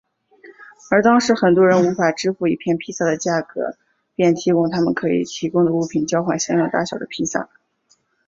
而当时很多人无法支付一片披萨的价格便提供他们可以提供的物品交换相应大小的披萨。